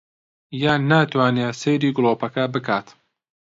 یان ناتوانێ سەیری گڵۆپەکە بکات